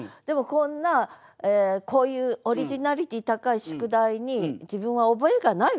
こんなこういうオリジナリティー高い宿題に自分は覚えがないわと。